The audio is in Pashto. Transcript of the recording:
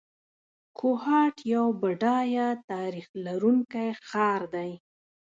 کوهاټ یو بډایه تاریخ لرونکی ښار دی.